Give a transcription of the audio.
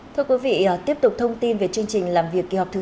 thưa quý vị tiếp tục thông tin về chương trình làm việc kỳ họp thứ sáu